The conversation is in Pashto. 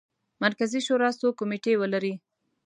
مرکزي شورا څو کمیټې ولري.